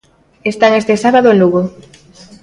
Están este sábado en Lugo.